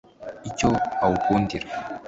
icyo awukundira